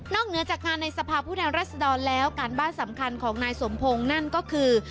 เหนือจากงานในสภาพผู้แทนรัศดรแล้วการบ้านสำคัญของนายสมพงศ์นั่นก็คือ